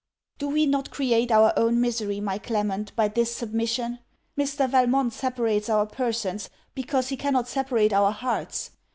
Do we not create our own misery, my Clement, by this submission? Mr. Valmont separates our persons, because he cannot separate our hearts.